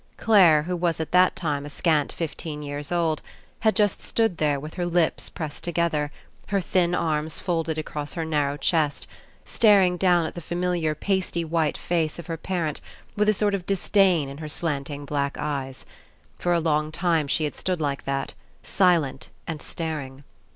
Clare, who was at that time a scant fifteen years old, had just stood 5 PASSING there with her lips pressed together, her thin arms folded across her narrow chest, staring down at the familiar pasty white face of her parent with a sort of disdain in her slanting black eyes. For a very long time she had stood like that, silent and staring.